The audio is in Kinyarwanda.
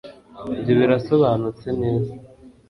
ibyo birasobanutse neza